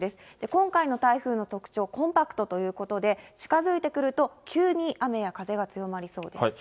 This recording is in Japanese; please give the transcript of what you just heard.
今回の台風の特徴、コンパクトということで、近づいてくると、急に雨や風が強まりそうです。